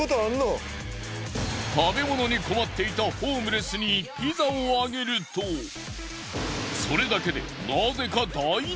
食べ物に困っていたホームレスにピザをあげるとそれだけで。